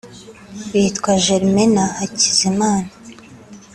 bitwa Germain na Hakizimana